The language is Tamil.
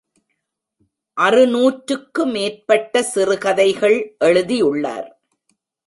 அறுநூற்றுக்கு மேற்பட்ட சிறுகதைகள் எழுதியுள்ளார்.